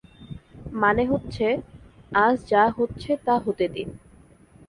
মানে হচ্ছে, আজ যা হচ্ছে তা হতে দিন।